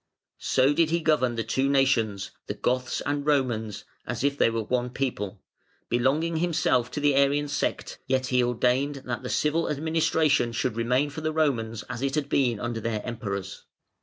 So did he govern the two nations, the Goths and Romans, as if they were one people, belonging himself to the Arian sect, yet he ordained that the civil administration should remain for the Romans as it had been under their Emperors.